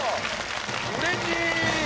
うれしい。